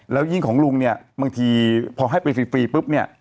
แล้วยิ่งของลุงเนี่ยบางทีพอให้ไปฟรีปุ๊บเนี่ย